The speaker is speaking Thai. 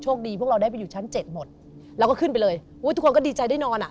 พวกเราได้ไปอยู่ชั้นเจ็ดหมดแล้วก็ขึ้นไปเลยอุ้ยทุกคนก็ดีใจได้นอนอ่ะ